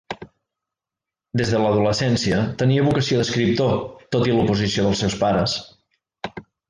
Des de l'adolescència tenia vocació d'escriptor, tot i l'oposició dels seus pares.